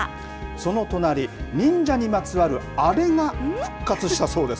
その隣忍者にまつわるあれが復活したそうです。